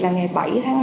là ngày bảy tháng năm